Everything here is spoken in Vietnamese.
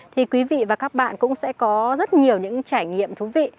thì quý vị và các bạn cũng sẽ có rất nhiều những trải nghiệm thú vị